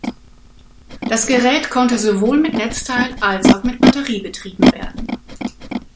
Das Gerät konnte sowohl mit Netzteil, als auch mit Batterie betrieben werden.